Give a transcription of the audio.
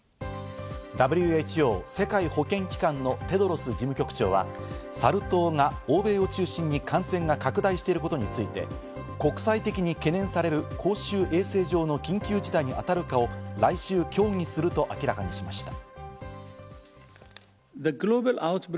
ＷＨＯ＝世界保健機関のテドロス事務局長はサル痘が欧米を中心に感染が拡大していることについて、国際的に懸念される公衆衛生上の緊急事態に当たるかを来週、協議すると明らかにしました。